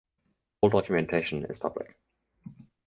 All documentation is public.